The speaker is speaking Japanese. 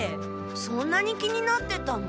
そんなに気になってたの？